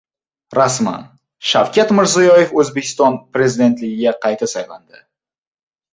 Rasman! Shavkat Mirziyoyev O‘zbekiston prezidentligiga qayta saylandi